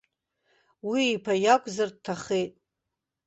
Уи иԥа иакәзар, дҭахеит.